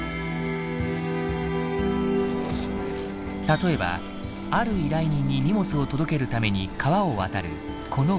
例えばある依頼人に荷物を届けるために川を渡るこの場面。